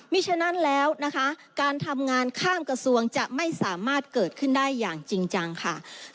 มีฉะนั้นแล้วนะคะการทำงานข้ามกระทรวงจะไม่สามารถเกิดขึ้นได้อย่างจริงจังค่ะ